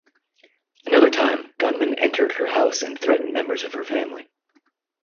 Another time, gunmen entered her house and threatened members of her family.